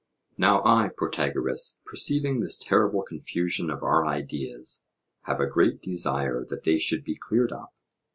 Now I, Protagoras, perceiving this terrible confusion of our ideas, have a great desire that they should be cleared up.